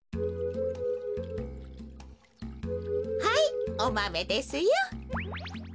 はいおマメですよ。